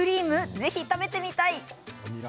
ぜひ食べてみたい！